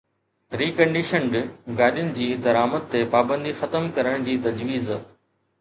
reconditioned گاڏين جي درآمد تي پابندي ختم ڪرڻ جي تجويز